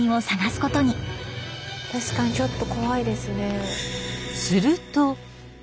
確かにちょっと怖いですね。